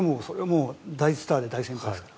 大スターで大先輩ですから。